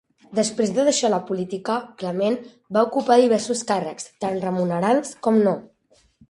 Després de deixar la política, Clement va ocupar diversos càrrecs, tant remunerats com no.